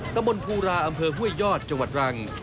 ตะบนภูราอำเภอห้วยยอดจังหวัดรัง